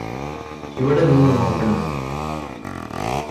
ഇവിടെ നിന്ന് നോക്കണം